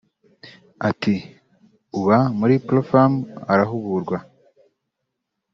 Ati “Uba muri Pro-Femmes arahugurwa